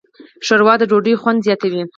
ښوروا د ډوډۍ خوند زیاتوي.